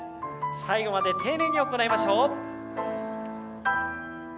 最後まで丁寧に行いましょう。